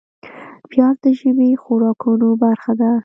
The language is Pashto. پیاز د ژمي خوراکونو برخه ده